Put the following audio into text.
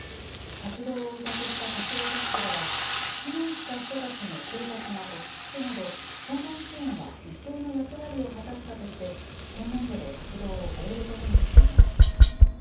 活動を委託した柏崎市では、避難した人たちの生活が落ち着くなど、訪問支援は一定の役割を果たしたとして、今年度で活動を終えることにしています。